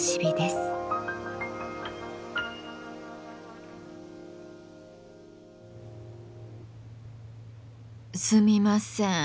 すみません。